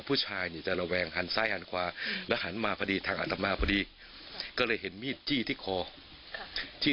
พิวถี้จรลอยแวงขวาภูมิแล้วหันมาทางอาธมาแล้วเห็นด้านข้างทุกคนเห็นมีดจี้ที่ครับ